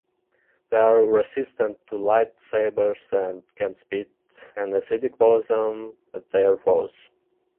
They are resistant to lightsabers and can spit an acidic poison at their foes.